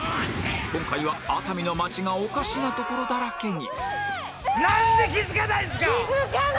今回は熱海の街がおかしなところだらけに